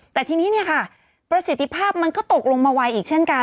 แต่ทีนี้เนี่ยค่ะประสิทธิภาพมันก็ตกลงมาไวอีกเช่นกัน